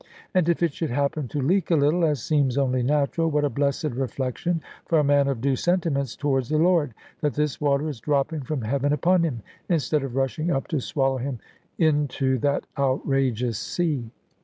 And if it should happen to leak a little (as seems only natural), what a blessed reflection for a man of due sentiments towards the Lord, that this water is dropping from heaven upon him, instead of rushing up to swallow him into that outrageous sea!